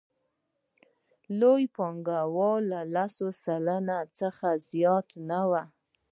لوی پانګوال له لس سلنه څخه زیات نه وو